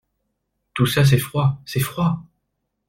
Tout ça, c’est froid ! c’est froid !